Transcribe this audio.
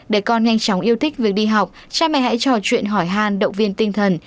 để con nhanh chóng yêu thích việc đi học cha mẹ hãy trò chuyện hỏi hàn động viên tinh thần